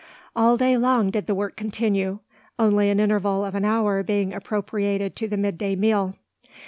All day long did the work continue, only an interval of an hour being appropriated to the midday meal.